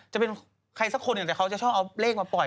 จะเป็นใครสักคนหนึ่งแต่เขาจะชอบเอาเลขมาปล่อย